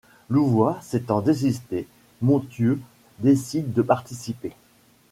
Louvois s'étant désisté, Montieu, décide de participer.